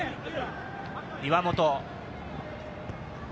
岩本。